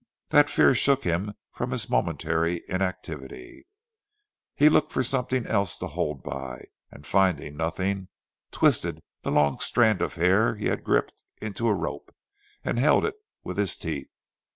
That fear shook him from his momentary inactivity. He looked for something else to hold by, and finding nothing, twisted the long strand of hair he had gripped into a rope, and held it with his teeth.